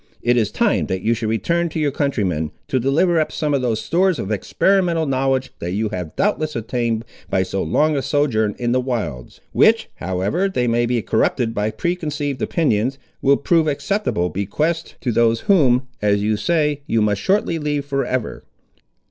It is time that you should return to your countrymen, to deliver up some of those stores of experimental knowledge that you have doubtless obtained by so long a sojourn in the wilds, which, however they may be corrupted by preconceived opinions, will prove acceptable bequests to those whom, as you say, you must shortly leave for ever."